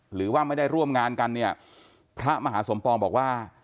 หรือว่าไม่ได้ร่วมงานกันเนี่ยพระมหาสมปองบอกว่า